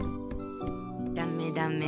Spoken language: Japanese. ダメダメ。